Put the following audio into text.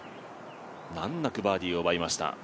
難なくバーディーを奪いました。